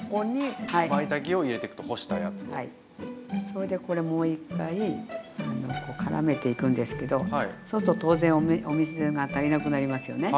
それでこれもう一回からめていくんですけどそうすると当然お水が足りなくなりますよね。